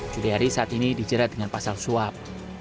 juliari saat ini dijerat dengan pasal suap